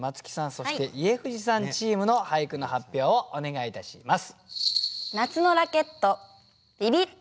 そして家藤さんチームの俳句の発表をお願いいたします。